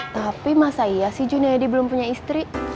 tapi masa iya sih junedi belum punya istri